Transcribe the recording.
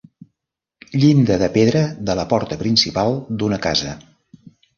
Llinda de pedra de la porta principal d'una casa.